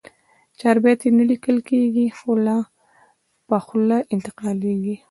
چاربیتې نه لیکل کېږي، خوله په خوله انتقالېږي.